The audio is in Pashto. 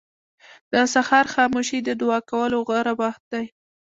• د سهار خاموشي د دعا کولو غوره وخت دی.